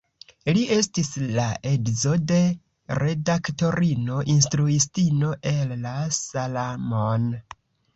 Li estis la edzo de redaktorino, instruistino Ella Salamon.